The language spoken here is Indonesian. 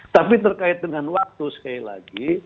tapi terkait dengan waktu sekali lagi